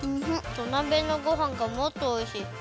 土鍋のごはんがもっとおいしい。